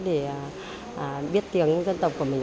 để biết tiếng dân tộc của mình